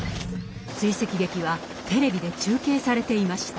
追跡劇はテレビで中継されていました。